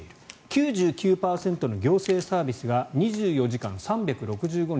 ９９％の行政サービスが２４時間３６５日